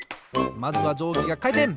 まずはじょうぎがかいてん！